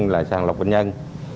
là sàng lọc bệnh nhân